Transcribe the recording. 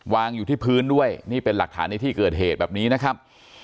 วางอยู่ที่พื้นด้วยนี่เป็นหลักฐานในที่เกิดเหตุแบบนี้นะครับ